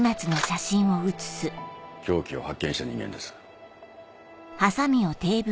凶器を発見した人間です。